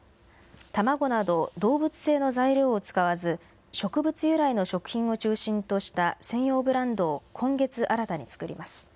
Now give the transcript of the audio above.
卵など動物性の材料を使わず、植物由来の食品を中心とした専用ブランドを今月新たに作ります。